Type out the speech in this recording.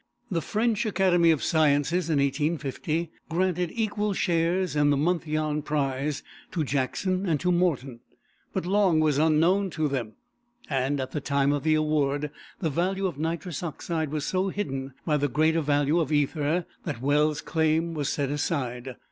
The French Academy of Sciences in 1850 granted equal shares in the Monthyon Prize to Jackson and to Morton; but Long was unknown to them, and, at the time of the award, the value of nitrous oxide was so hidden by the greater value of ether that Wells's claim was set aside.